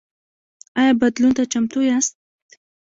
ایا بدلون ته چمتو یاست؟